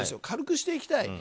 軽くしていきたい。